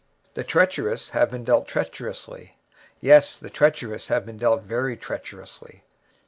the treacherous dealers have dealt treacherously; yea, the treacherous dealers have dealt very treacherously.